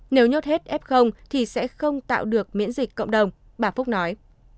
nếu nhốt hết f thì sẽ không tạo được miễn dịch cộng đồng bà phúc nói